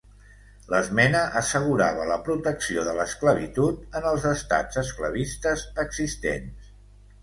L'esmena assegurava la protecció de l'esclavitud en els estats esclavistes existents.